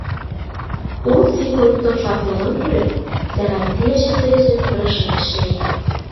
Ул секундтың шатлығын күреп, сәғәтте йәшәтер өсөн тырышып эшләй.